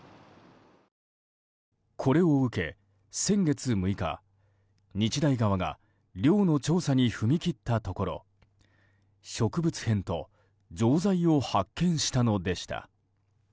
これを受け先月６日、日大側が寮の調査に踏み切ったところ植物片と錠剤を発見したのでした。